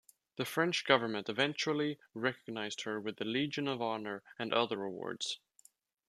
The French government eventually recognized her with the Legion of Honor and other awards.